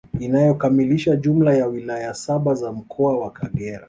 Inayokamilisha jumla ya wilaya saba za Mkoa wa Kagera